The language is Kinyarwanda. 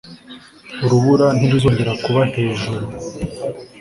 urubura ntiruzongera kuba hejuru